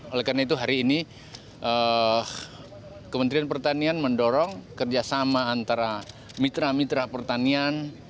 oleh karena itu hari ini kementerian pertanian mendorong kerjasama antara mitra mitra pertanian